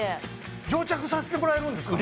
蒸着させてもらえるんですか？